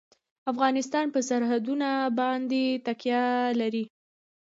افغانستان په سرحدونه باندې تکیه لري.